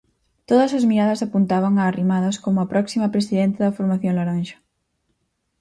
Todas as miradas apuntan a Arrimadas como a próxima presidenta da formación laranxa.